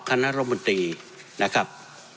คณะล้ำตีนะครับ